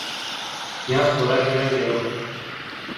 Μια φορά κι έναν καιρό